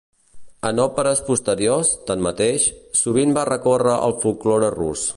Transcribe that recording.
En òperes posteriors, tanmateix, sovint va recórrer al folklore rus.